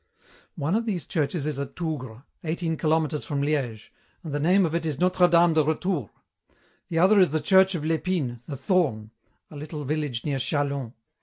"One of these churches is at Tougres, eighteen kilometres from Liége, and the name of it is Notre Dame de Retour. The other is the church of l'Epine, 'the thorn,' a little village near Châlons.